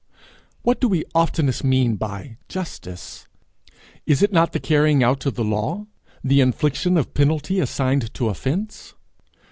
What do we oftenest mean by justice? Is it not the carrying out of the law, the infliction of penalty assigned to offence?